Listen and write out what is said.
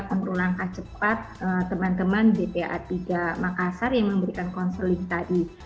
untuk langkah cepat teman teman dpa tiga makassar yang memberikan konsuling tadi